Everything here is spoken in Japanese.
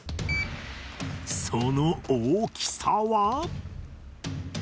その大きさは